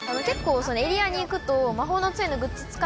結構そのエリアに行くと魔法の杖のグッズ